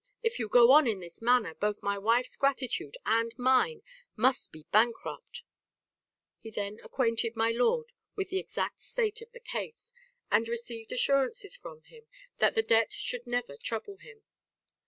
If you go on in this manner, both my wife's gratitude and mine must be bankrupt' He then acquainted my lord with the exact state of the case, and received assurances from him that the debt should never trouble him.